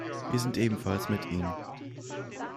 Wir sind ebenfalls mit ihnen.